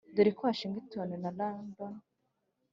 dore ko washington na london